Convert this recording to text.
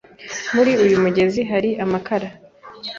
Muri uyu mugezi hari amakara.